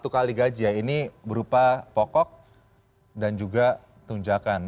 satu kali gaji ya ini berupa pokok dan juga tunjakan